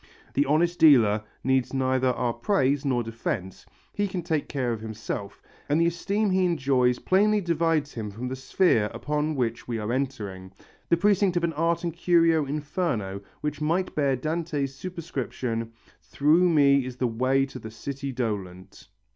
The honest dealer needs neither our praise nor defence, he can take care of himself, and the esteem he enjoys plainly divides him from the sphere upon which we are entering, the precinct of an art and curio inferno which might bear Dante's superscription: "Through me is the way to the city dolent."